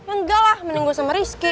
enggak lah mending gue sama rizky